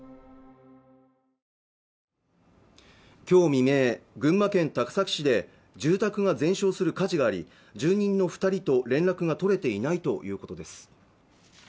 今日未明群馬県高崎市で住宅が全焼する火事があり住人の二人と連絡が取れていないということです